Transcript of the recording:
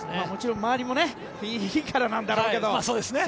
もちろん、周りもいいからなんだろうけども。